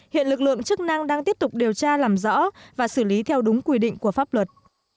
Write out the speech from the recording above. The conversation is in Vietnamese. hiện lực lượng chức năng đang tiếp tục điều tra làm rõ và xử lý theo đúng quy định của pháp luật